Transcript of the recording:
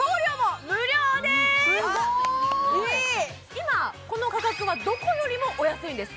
今この価格はどこよりもお安いんです